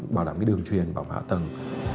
bảo đảm đường truyền bảo hạ tầng